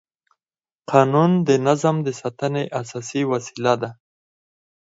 قانون د نظم د ساتنې اساسي وسیله ده.